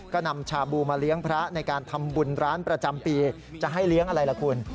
ก็นำชาบูมาเลี้ยงพระในการทำบุญร้านประจำปีจะให้เลี้ยงอะไรล่ะคุณ